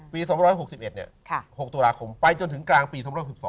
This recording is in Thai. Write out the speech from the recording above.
ปี๒๖๑เนี่ย๖ตุลาคมไปจนถึงกลางปี๖๑๒